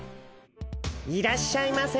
いらっしゃいませ。